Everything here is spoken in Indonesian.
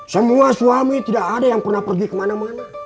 semua suami tidak ada yang pernah pergi kemana mana